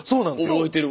覚えてる。